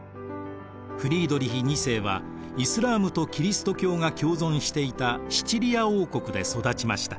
フリードリヒ２世はイスラームとキリスト教が共存していたシチリア王国で育ちました。